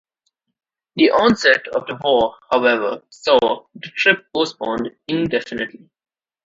The onset of the war however, saw the trip postponed indefinitely.